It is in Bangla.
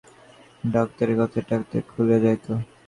ডাক্তারির কথায় ডাক্তারের মুখ খুলিয়া যাইত।